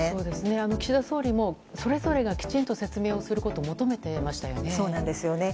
岸田総理もそれぞれがきちんと説明することをそうですよね。